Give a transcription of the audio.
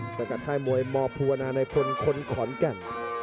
สังกัดไทยมวยมอบภูวนาในพลคนขอนแก่น